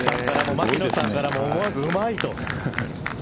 牧野さんからも思わずうまいと。